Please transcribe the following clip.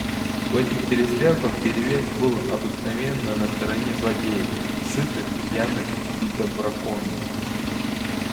В этих перестрелках перевес был обыкновенно на стороне злодеев, сытых, пьяных и доброконных.